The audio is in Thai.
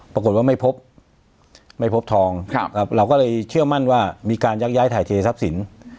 ปรากฏว่าไม่พบไม่พบทองเราก็เลยเชื่อมั่นว่ามีการยักย้ายถ่ายเททรัพย์สิน